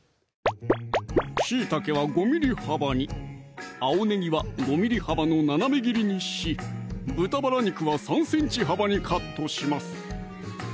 しいたけは５ｍｍ幅に青ねぎは５ｍｍ幅の斜め切りにし豚バラ肉は３ｃｍ幅にカットします